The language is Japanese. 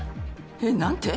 えっ何て？